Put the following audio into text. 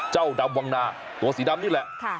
เจ้าดำวังนาตัวสีดำนี่แหละ